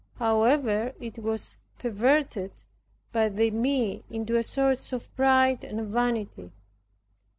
However it was perverted by me into a source of pride and vanity.